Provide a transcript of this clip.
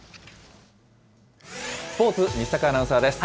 スポーツ、西阪アナウンサーです。